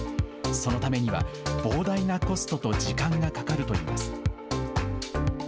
そのためには、膨大なコストと時間がかかるといいます。